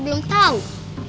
gimana keadaan nombor ini